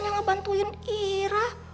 bisa aja ngebantuin ira